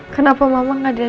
kenapa mama gak di sini